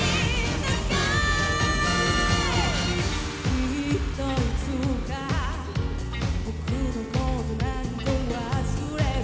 「『きっといつか僕のことなんか忘れる』」